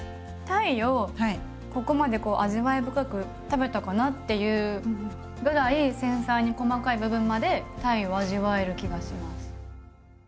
鯛をここまで味わい深く食べたかなっていうぐらい繊細に細かい部分まで鯛を味わえる気がします。